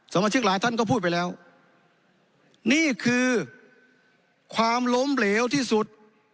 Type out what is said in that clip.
สมาชิกหลายท่านก็พูดไปแล้วนี่คือความล้มเหลวที่สุด